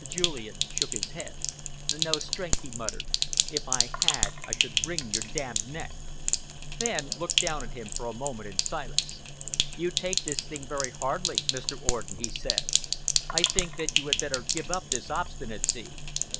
Julian shook his head. "No strength," he muttered. "If I had, I should wring your damned neck!" Fenn looked down at him for a moment in silence. "You take this thing very hardly, Mr. Orden," he said. "I think that you had better give up this obstinacy.